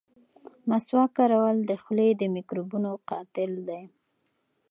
مسواک کارول د خولې د میکروبونو قاتل دی.